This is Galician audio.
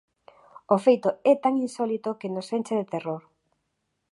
O feito é tan insólito que nos enche de terror.